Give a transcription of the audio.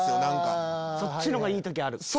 そっちの方がいい時ある。